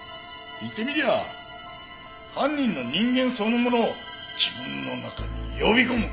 言ってみりゃ犯人の人間そのものを自分の中に呼び込む。